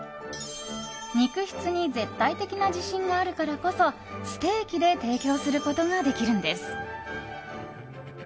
肉質に絶対的な自信があるからこそステーキで提供することができるんです。